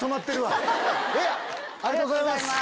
ありがとうございます。